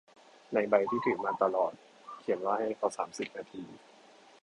ในใบที่ถือมาตลอดเขียนว่าให้รอสามสิบนาที